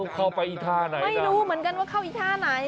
เข้าไปอีกท่าไหนไม่รู้เหมือนกันว่าเข้าอีกท่าไหน